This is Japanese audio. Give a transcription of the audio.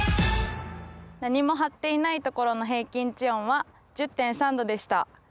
何も張っていないところの平均地温は１０．３℃でした。